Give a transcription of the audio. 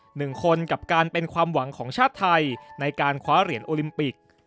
หนึ่งคนกับการเป็นความหวังของชาติไทยในการคว้าเหรียญโอลิมปิก